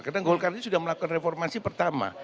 karena golkar ini sudah melakukan reformasi pertama